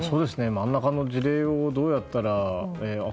真ん中の事例をどうやったら。